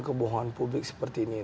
kebohongan publik seperti ini